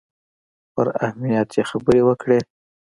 پر اهمیت یې خبرې وکړې.